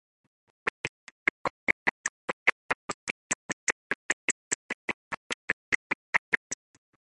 Harrah most recently served as the assistant hitting coach for the Detroit Tigers.